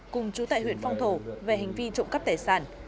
cùng chú tại huyện phong thổ về hành vi trộm cắp tài sản